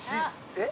えっ？